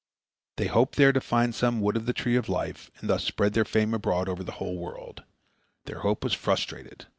They hoped there to find some wood of the tree of life, and thus spread their fame abroad over the whole world. Their hope was frustrated.